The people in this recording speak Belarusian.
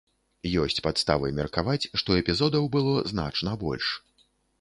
Ёсць падставы меркаваць, што эпізодаў было значна больш.